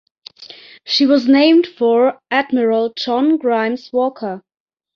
She was named for Admiral John Grimes Walker.